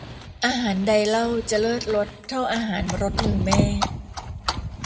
อาหารใดเล่าจะเลิศรสเท่าอาหารรสมือแม่